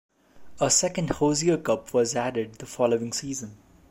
A second Hozier Cup was added the following season.